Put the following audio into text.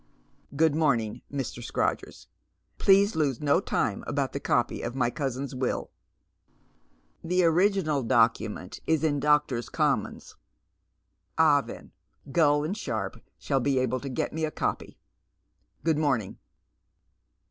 Good morning, Mr. Scrodgera. Please lose no time about the copy of mv cousin's wilL" "The original document is in Doctors^ Commons." " Ah, then, Gull and Sharpe will be able to get me a copy. Good morning."